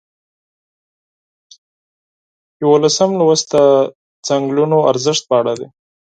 یوولسم لوست د څنګلونو ارزښت په اړه دی.